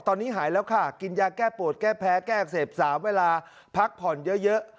ตอนนี้หายแล้วค่ะกินยาแก้ปวดแก้แพ้แก้อักเสบ๓เวลาพักผ่อนเยอะ